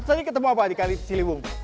tadi ketemu apa di kali ciliwung